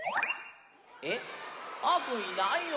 えっあーぷんいないよ！